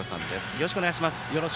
よろしくお願いします。